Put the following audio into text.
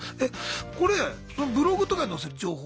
これそのブログとかに載せる情報？